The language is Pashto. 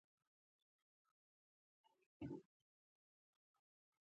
زه په خپل ځان کې پټیږم، ستا ذات پټ له خپلي چارې